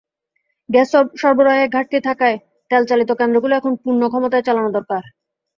Gas সরবরাহে ঘাটতি থাকায় তেলচালিত কেন্দ্রগুলো এখন পূর্ণ ক্ষমতায় চালানো দরকার।